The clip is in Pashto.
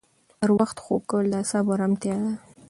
پر وخت خوب کول د اعصابو ارامتیا ده.